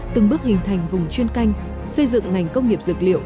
từng bước hình thành vùng chuyên canh xây dựng ngành công nghiệp dược liệu